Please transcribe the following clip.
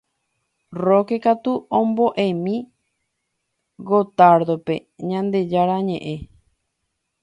Roque katu omboʼémi Gottardope Ñandejára ñeʼẽ.